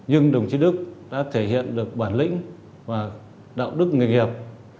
nhưng đồng chí đức đã thể hiện được bản lĩnh và đạo đức nghề nghiệp